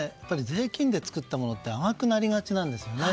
税金で作ったものって甘くなりがちなんですよね。